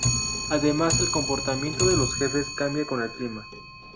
Además el comportamiento de los jefes cambia con el clima.